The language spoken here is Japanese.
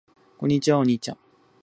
こんにちは。お兄ちゃん。